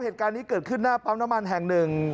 เหตุการณ์นี้เกิดขึ้นหน้าปั๊มน้ำมันแห่งหนึ่ง